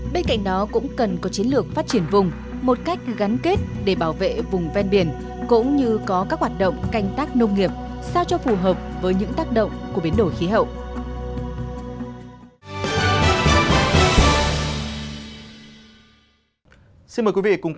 bên cạnh đó cũng cần có chiến lược phát triển vùng một cách gắn kết để bảo vệ vùng ven biển cũng như có các hoạt động canh tác nông nghiệp sao cho phù hợp với những tác động của biến đổi khí hậu